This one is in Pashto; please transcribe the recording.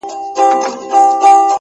له دغي لويي وچي وځم”